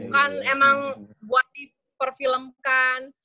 bukan emang buat di perfilmkan